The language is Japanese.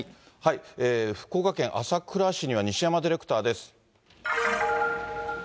福岡県朝倉市には西山ディレクターです。